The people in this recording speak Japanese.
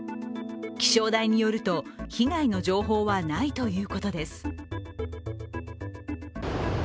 気象台によると、被害の情報はないということです。